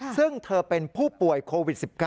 ซึ่งเธอเป็นผู้ป่วยโควิด๑๙